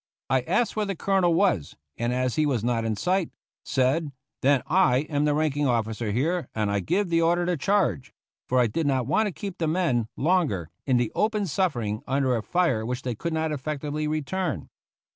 I asked where the Colonel was, and as he was not in sight, said, " Then I am THE ROUGH RIDERS the ranking ofHcer here and I give the order to charge "— for I did not want to keep the men longer in the open suffering under a fire which they could not effectively return.